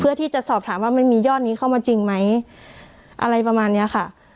เพื่อที่จะสอบถามว่ามันมียอดนี้เข้ามาจริงไหมอะไรประมาณเนี้ยค่ะ